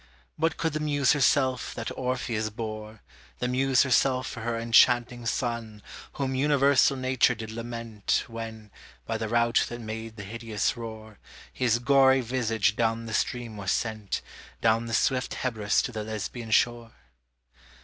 What could the muse herself that Orpheus bore, The muse herself for her enchanting son, Whom universal nature did lament, When, by the rout that made the hideous roar, His gory visage down the stream was sent, Down the swift Hebrus to the Lesbian shore?